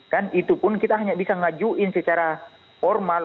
kan itu pun kita hanya bisa ngajuin secara formal